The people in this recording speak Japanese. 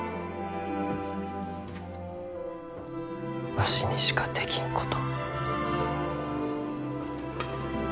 わしにしかできんこと。